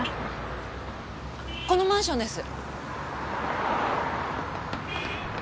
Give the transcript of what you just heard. あっこのマンションです。